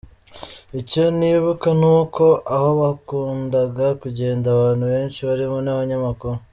Icyo nibuka ni uko aho hakundaga kugenda abantu benshi barimo n’abanyamakuru.